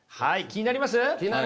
気になります！